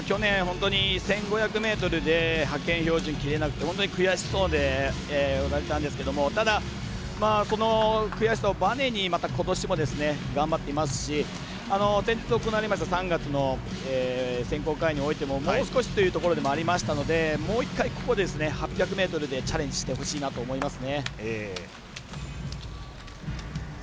去年１５００ｍで派遣標準切れなくて本当に悔しそうだったんですけどただ、その悔しさをバネにまたことしも頑張っていますし先日行われました３月の選考会においてももう少しというところでもありましたのでもう１回ここで８００ｍでチャレンジしてほしいなと思います。